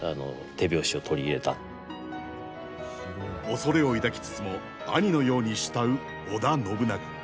恐れを抱きつつも兄のように慕う織田信長。